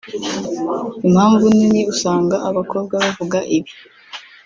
Impamvu nini usanga abakobwa bavuga ibi